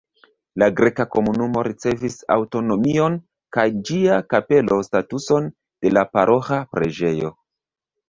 La greka komunumo ricevis aŭtonomion kaj ĝia kapelo statuson de la paroĥa preĝejo.